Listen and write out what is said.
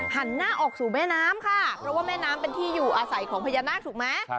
หันหน้าออกสู่แม่น้ำค่ะเพราะว่าแม่น้ำเป็นที่อยู่อาศัยของพญานาคถูกไหม